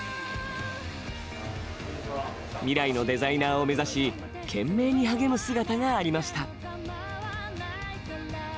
未来のデザイナーを目指し懸命に励む姿がありました。